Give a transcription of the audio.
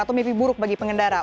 atau mimpi buruk bagi pengendara